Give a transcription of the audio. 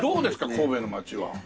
神戸の町は。